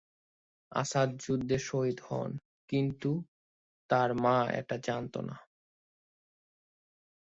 আসাদ যুদ্ধে শহিদ হন, কিন্তু তার মা এটা জানতেন না।